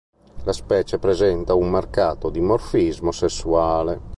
La specie presenta un marcato dimorfismo sessuale.